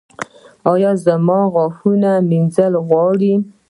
ایا زما غاښ مینځل غواړي؟